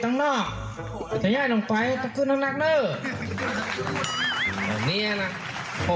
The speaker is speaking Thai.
ตอนนี้เจ้าหน้าที่ถึงอ้อมท่านอุบัตรแล้ว